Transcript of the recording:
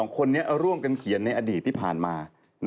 ๒คนนี้ร่วมกันเขียนในอดีตที่ผ่านมา